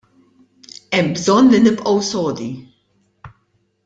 Hemm bżonn li nibqgħu sodi.